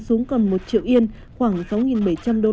xuống còn một triệu yên khoảng sáu bảy trăm linh usd